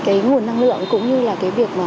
cái nguồn năng lượng cũng như là cái việc mà